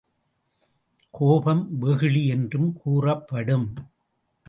கோபம் வெகுளி என்றும் கூறப்படும்.